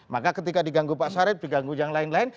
maka ketika diganggu pak syarif diganggu yang lain lain